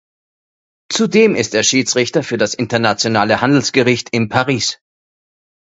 Zudem ist er Schiedsrichter für das Internationale Handelsgericht in Paris.